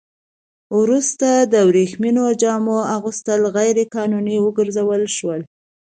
وروسته د ورېښمينو جامو اغوستل غیر قانوني وګرځول شول.